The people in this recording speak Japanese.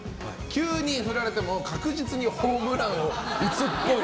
急に振られても確実にホームランを打つっぽい。